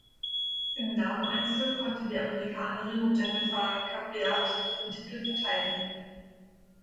Im Dameneinzel konnte die Amerikanerin Jennifer Capriati ihren Titel verteidigen.